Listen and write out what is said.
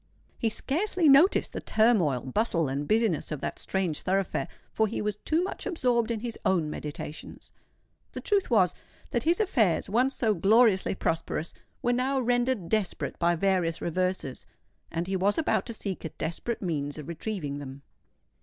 He scarcely noticed the turmoil, bustle, and business of that strange thoroughfare; for he was too much absorbed in his own meditations. The truth was, that his affairs—once so gloriously prosperous—were now rendered desperate by various reverses; and he was about to seek a desperate means of retrieving them.